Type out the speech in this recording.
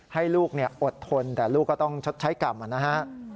ให้ลูกอดทนแต่ลูกก็ต้องชดใช้กรรมนะฮะ